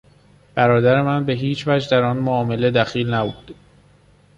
برادر من به هیچ وجه در آن معامله دخیل نبود.